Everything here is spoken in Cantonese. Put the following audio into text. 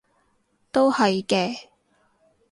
都係嘅